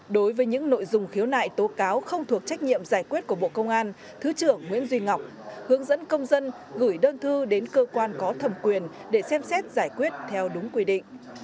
đối với những nội dung khiếu nại tố cáo không thuộc trách nhiệm giải quyết của bộ công an thứ trưởng nguyễn duy ngọc hướng dẫn công dân gửi đơn thư đến cơ quan có thẩm quyền để xem xét giải quyết theo đúng quy định